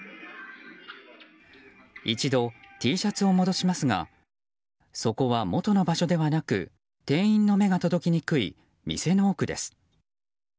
一度、Ｔシャツを戻しますがそこは元の場所ではなく店員の目が届きにくい店の奥です。